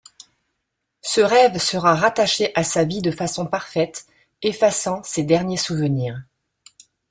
Ce rêve sera rattaché à sa vie de façon parfaite, effaçant ses derniers souvenirs.